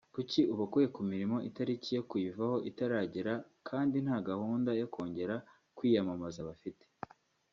Kuki ubakuye mu mirimo itariki yo kuyivaho itaragera kandi nta gahunda yo kongera kwiyamamaza bafite